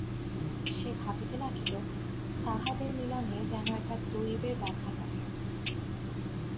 সে ভাবিতে লাগিল, তাহাদের মিলনে যেন একটা দৈবের ব্যাঘাত আছে।